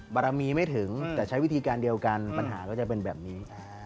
บารมีไม่ถึงแต่ใช้วิธีการเดียวกันปัญหาก็จะเป็นแบบนี้